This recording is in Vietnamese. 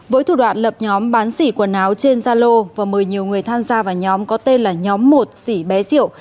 với thủ đoạn lập nhóm bán xỉ quần áo trên gia lô và mời nhiều người tham gia vào nhóm có tên là nhóm một xỉ bé diệu